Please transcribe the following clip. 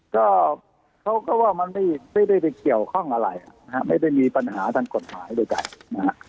ก็เขาก็ว่ามันไม่ได้ไปเกี่ยวข้องอะไรนะฮะไม่ได้มีปัญหาทางกฎหมายใดนะฮะ